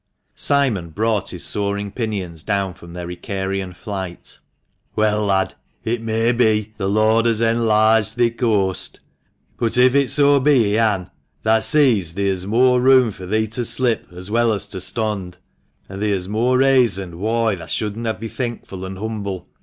Simon brought his soaring pinions down from their Icarian flight. "Well, lad, it may be 'the Lord has enlarged thi coast,' but if so be He han, thah sees theer's moore room fur thee to slip as well as to stond, and theer's moore rayson whoi thah shouldn be thenkful and humble